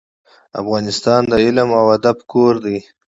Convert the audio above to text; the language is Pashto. افغانستان د علم او ادب کور دی.